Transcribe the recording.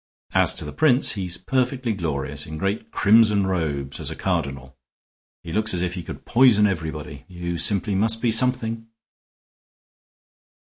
As to the prince, he's perfectly glorious, in great crimson robes as a cardinal. He looks as if he could poison everybody. You simply must be something."